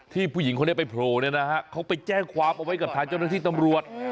ผู้หญิงคนนี้ไปโผล่เนี่ยนะฮะเขาไปแจ้งความเอาไว้กับทางเจ้าหน้าที่ตำรวจ